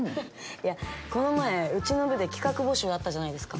いやこの前うちの部で企画募集あったじゃないですか。